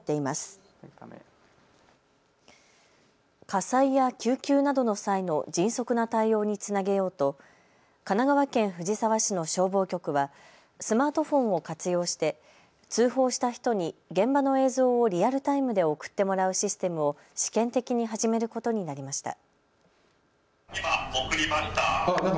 火災や救急などの際の迅速な対応につなげようと神奈川県藤沢市の消防局はスマートフォンを活用して通報した人に現場の映像をリアルタイムで送ってもらうシステムを試験的に始めることになりました。